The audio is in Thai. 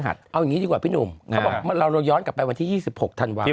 เอาอย่างนี้ดีกว่าพี่หนุ่มเขาบอกเราย้อนกลับไปวันที่๒๖ธันวาคม